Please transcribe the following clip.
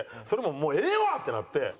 それももうええわ！ってなって。